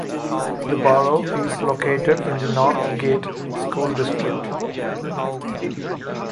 The borough is located in the Northgate School District.